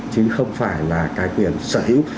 chứ không phải là cái quyền sở hữu